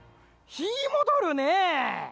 ひーもどるねぇ。